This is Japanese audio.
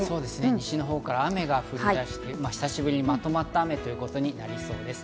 西の方から雨が降り出して、久しぶりにまとまった雨ということになりそうです。